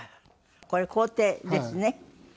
これ工程ですね。